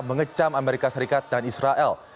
mengecam amerika serikat dan israel